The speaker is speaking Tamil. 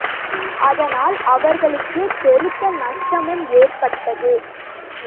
அதனால், அவர்களுக்குப் பெருத்த நஷ்டமும் ஏற்பட்டது.